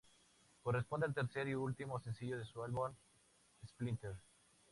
Corresponde al tercer y último sencillo de su álbum Splinter.